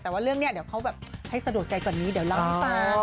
แต่ว่าเรื่องนี้เดี๋ยวเขาแบบให้สะดวกใจกว่านี้เดี๋ยวเล่าให้ฟัง